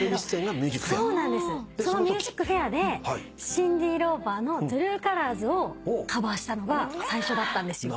その『ＭＵＳＩＣＦＡＩＲ』でシンディ・ローパーの『トゥルー・カラーズ』をカバーしたのが最初だったんですよ。